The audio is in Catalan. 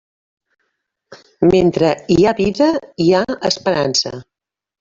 Mentre hi ha vida, hi ha esperança.